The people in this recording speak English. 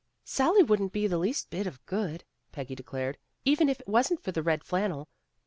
"Sally wouldn't be the least bit of good," Peggy declared, "even if it wasn't for the red flannel.